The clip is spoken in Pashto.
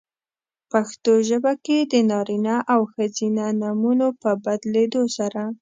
پښتو ژبه کې د نارینه او ښځینه نومونو په بدلېدو سره؛